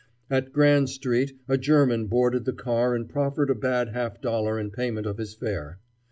At Grand Street a German boarded the car and proffered a bad half dollar in payment of his fare.